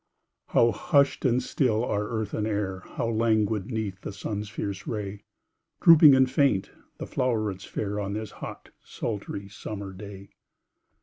How hushed and still are earth and air, How languid 'neath the sun's fierce ray Drooping and faint the flowrets fair, On this hot, sultry, summer day!